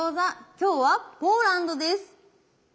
今日はポーランドです。